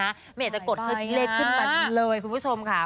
ไม่อยากจะกดขึ้นเลขขึ้นมาเลยคุณผู้ชมค่ะ